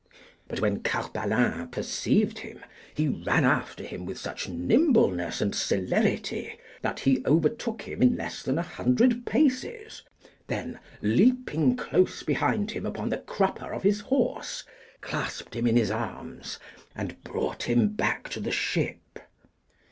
But when Carpalin perceived him, he ran after him with such nimbleness and celerity that he overtook him in less than a hundred paces; then, leaping close behind him upon the crupper of his horse, clasped him in his arms, and brought him back to the ship.